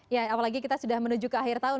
ya apalagi kita sudah menuju ke akhir tahun